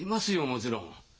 もちろん！